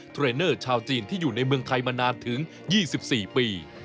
เทรนเนอร์ชาวจีนที่อยู่ในเมืองไทยมานานถึง๒๔ปี